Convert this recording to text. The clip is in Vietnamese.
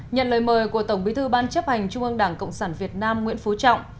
nhận lời mời của tổng bí thư ban chấp hành trung ương đảng cộng sản việt nam nguyễn phú trọng